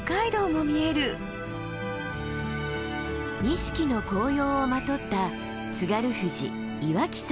錦の紅葉をまとった津軽富士岩木山。